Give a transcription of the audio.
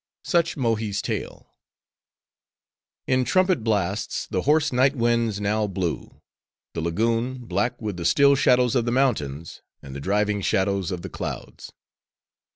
Such Mohi's tale. In trumpet blasts, the hoarse night winds now blew; the Lagoon, black with the still shadows of the mountains, and the driving shadows of the clouds.